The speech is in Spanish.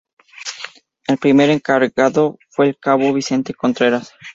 El primer encargado fue el Cabo Vicente Contreras.